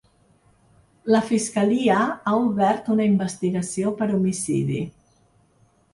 La fiscalia ha obert una investigació per homicidi.